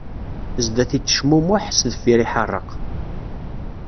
Zdat ittecmummuḥ, sdeffir iḥeṛṛeq.